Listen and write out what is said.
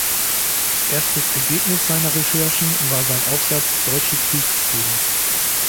Erstes Ergebnis seiner Recherchen war sein Aufsatz „Deutsche Kriegsziele.